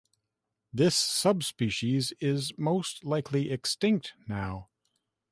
This subspecies is most likely extinct now.